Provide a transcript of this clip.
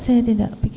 saya tidak pikirkan